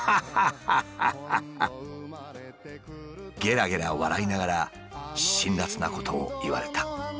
ゲラゲラ笑いながら辛らつなことを言われた」。